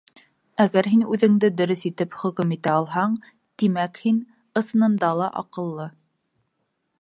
Әгәр һин үҙеңде дөрөҫ итеп хөкөм итә алһаң, тимәк һин, ысынында ла аҡыллы.